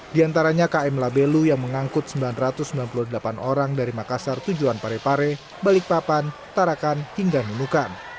di antaranya km labelu yang mengangkut sembilan ratus sembilan puluh delapan orang dari makassar tujuan parepare balikpapan tarakan hingga nunukan